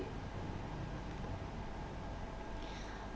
đồn biện phòng cửa khẩu quốc tế